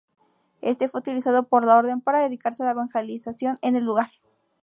Este, fue utilizado por la orden para dedicarse a la evangelización en el lugar.